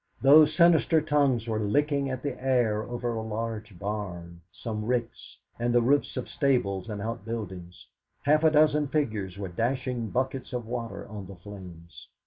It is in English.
Those sinister tongues were licking at the air over a large barn, some ricks, and the roofs of stables and outbuildings. Half a dozen figures were dashing buckets of water on the flames.